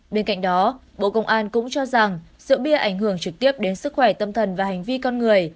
bên cạnh đó bộ công an cũng cho rằng rượu bia ảnh hưởng trực tiếp đến sức khỏe tâm thần và hành vi con người